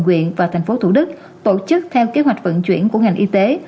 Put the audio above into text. quyện và thành phố thủ đức tổ chức theo kế hoạch vận chuyển của ngành y tế